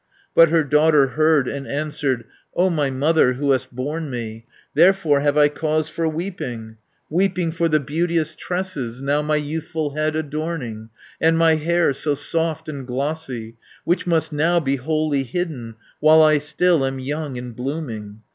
But her daughter heard and answered, "O my mother who hast borne me, 550 Therefore have I cause for weeping, Weeping for the beauteous tresses, Now my youthful head adorning, And my hair so soft and glossy, Which must now be wholly hidden, While I still am young and blooming.